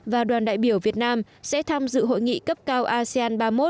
và đoàn đại biểu việt nam sẽ tham dự hội nghị cấp cao asean ba mươi một